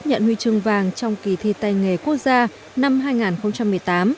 nhận huy chương vàng trong kỳ thi tay nghề quốc gia năm hai nghìn một mươi tám